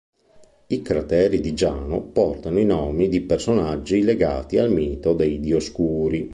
I crateri di Giano portano i nomi di personaggi legati al mito dei Dioscuri.